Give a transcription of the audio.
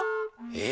え？